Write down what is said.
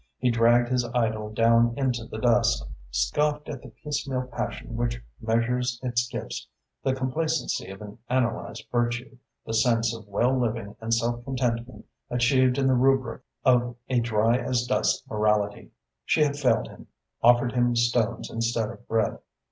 He dragged his idol down into the dust, scoffed at the piecemeal passion which measures its gifts, the complacency of an analysed virtue, the sense of well living and self contentment achieved in the rubric of a dry as dust morality. She had failed him, offered him stones instead of bread.